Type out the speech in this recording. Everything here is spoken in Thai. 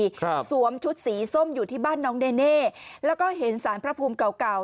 ครับสวมชุดสีส้มอยู่ที่บ้านน้องเดเน่แล้วก็เห็นสารพระภูมิเก่าเก่า